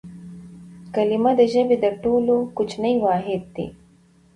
کلیمه د ژبي تر ټولو کوچنی واحد دئ.